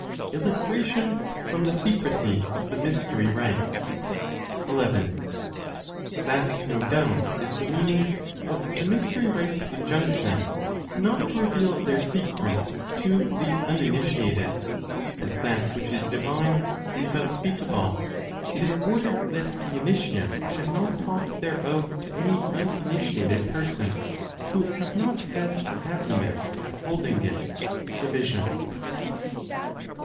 ILLUSTRATION FROM THE SECRECY OF THE MYSTERY RITES. 11. That, no doubt, is the meaning of the mystery rites' injunction not to reveal their secrets to the uninitiated. As that which is divine is unspeakable, it is ordered that the initiate should not talk thereof to any (uninitiated person) who have not had the happiness of beholding it (the vision).